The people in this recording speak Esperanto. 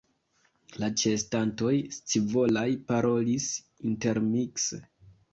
La ĉeestantoj scivolaj parolis intermikse: